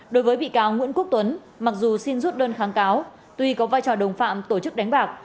đối với bị cáo nguyễn quốc tuấn mặc dù xin rút đơn kháng cáo tuy có vai trò đồng phạm tổ chức đánh bạc